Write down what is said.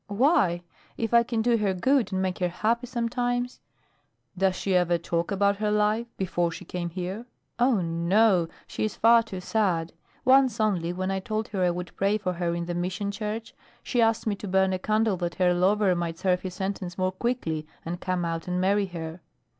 "Why? if I can do her good and make her happy, sometimes?" "Does she ever talk about her life before she came here?" "Oh, no; she is far too sad. Once only, when I told her I would pray for her in the Mission Church, she asked me to burn a candle that her lover might serve his sentence more quickly and come out and marry her.